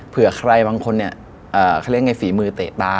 เผื่อใครบางคนเขาเรียกว่าฝีมือเตะตา